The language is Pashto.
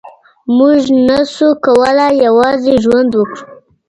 مونږ نسو کولای یوازې ژوند وکړو.